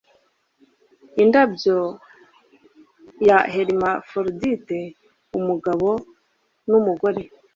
Indabyo ya Hermaphrodite umugabo n'umugore